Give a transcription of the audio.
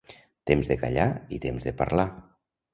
Temps de callar i temps de parlar.